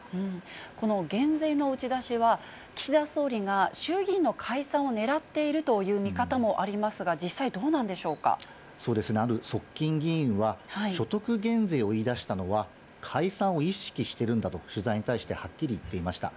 この減税の打ち出しは、岸田総理が衆議院の解散をねらっているという見方もありますが、実際、そうですね、ある側近議員は、所得減税を言いだしたのは、解散を意識してるんだと、取材に対してはっきり言っていました。